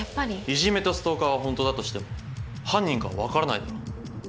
イジメとストーカーは本当だとしても犯人かは分からないだろ。